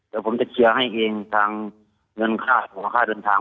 เดี๋ยวผมจะเคลียร์ให้เองทางเงินค่าหัวค่าเดินทาง